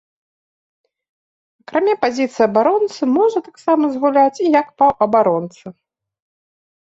Акрамя пазіцыі абаронцы можа таксама згуляць і як паўабаронца.